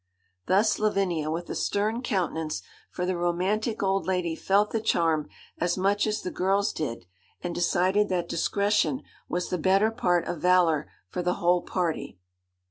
Thus Lavinia, with a stern countenance; for the romantic old lady felt the charm as much as the girls did, and decided that discretion was the better part of valour for the whole party.